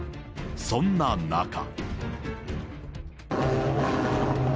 そんな中。